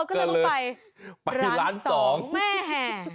ก็เลยต้องไปไปที่ล้านสองแม่แห่